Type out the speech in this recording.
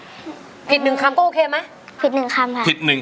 ก็คือร้องให้เหมือนเพลงเมื่อสักครู่นี้